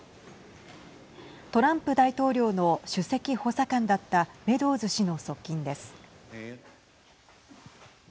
トランプ大統領の首席補佐官だったメドウズ氏の側近です。